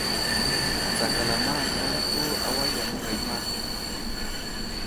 Tsakala may aslane ɗu awayam məŋgay əmay !